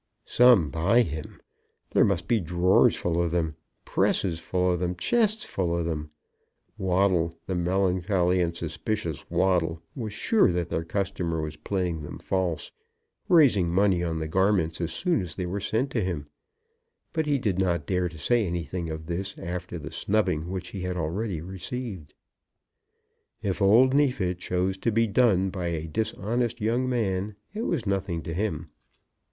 Some by him! There must be drawers full of them, presses full of them, chests full of them! Waddle, the melancholy and suspicious Waddle, was sure that their customer was playing them false, raising money on the garments as soon as they were sent to him; but he did not dare to say anything of this after the snubbing which he had already received. If old Neefit chose to be done by a dishonest young man it was nothing to him.